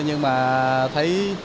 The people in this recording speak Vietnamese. nhưng mà thấy